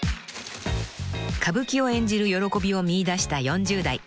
［歌舞伎を演じる喜びを見いだした４０代］